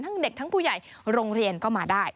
เด็กทั้งผู้ใหญ่โรงเรียนก็มาได้